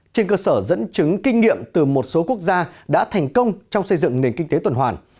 trên cơ sở dẫn chứng kinh nghiệm từ một số quốc gia đã thành công trong xây dựng nền kinh tế tuần hoàn